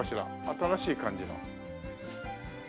新しい感じの。